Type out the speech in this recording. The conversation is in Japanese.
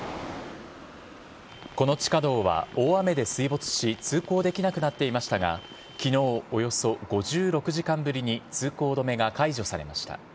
この地下道は大雨で水没し、通行できなくなっていましたが、きのう、およそ５６時間ぶりに通行止めが解除されました。